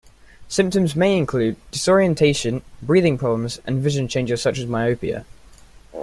Symptoms may include disorientation, breathing problems, and vision changes such as myopia.